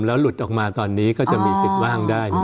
แล้วหลุดออกมาตอนนี้ก็จะมีสิทธิ์ว่างได้